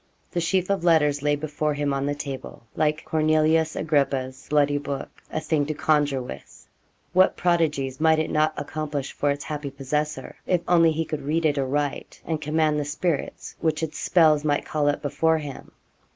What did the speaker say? The sheaf of letters lay before him on the table, like Cornelius Agrippa's 'bloody book' a thing to conjure with. What prodigies might it not accomplish for its happy possessor, if only he could read it aright, and command the spirits which its spells might call up before him?